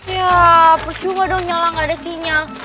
ya percuma dong nyala gak ada sinyal